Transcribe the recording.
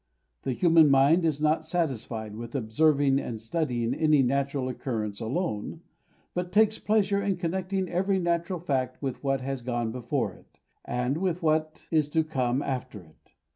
The human mind is not satisfied with observing and studying any natural occurrence alone, but takes pleasure in connecting every natural fact with what has gone before it, and with what is to come after it.